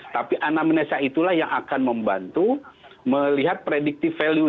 tapi anamnesa itulah yang akan membantu melihat predictive value